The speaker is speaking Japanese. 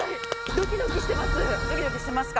ドキドキしてますか。